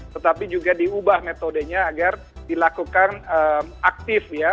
tetapi juga diubah metodenya agar dilakukan aktif ya